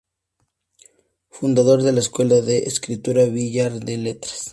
Fundador de la escuela de escritura Billar de letras.